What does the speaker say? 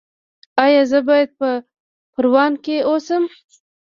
ایا زه باید په پروان کې اوسم؟